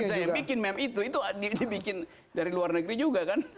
saya yang bikin meme itu itu dibikin dari luar negeri juga kan